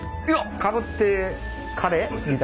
かぶってカレーみたい。